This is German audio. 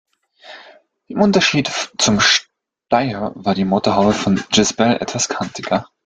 Im Unterschied zum Steyr war die Motorhaube des Csepel etwas kantiger.